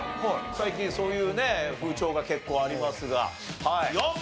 最近そういうね風潮が結構ありますが。